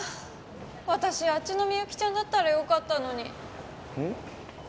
私あっちのみゆきちゃんだったらよかったのにうん？